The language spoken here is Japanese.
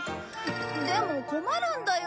でも困るんだよ！